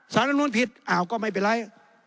สารลำนูนผิดอ่าวก็ไม่เป็นไร